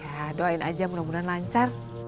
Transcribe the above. ya doain aja mudah mudahan lancar